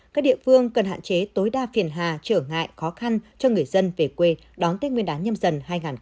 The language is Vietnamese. các địa phương cần hạn chế tối đa phiền hà trở ngại khó khăn cho người dân về quê đón tết nguyên đán nhâm dần hai nghìn hai mươi bốn